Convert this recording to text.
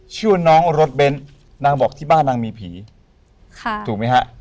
ชื่อน้องรถเบ้นนางบอกที่บ้านนางมีผีค่ะถูกไหมฮะ